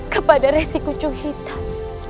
kepada resi kunjung hitam